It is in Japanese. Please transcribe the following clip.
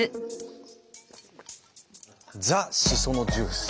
ザしそのジュース。